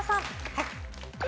はい。